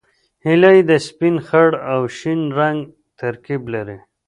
هیلۍ د سپین، خړ او شین رنګ ترکیب لري